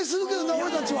俺たちは。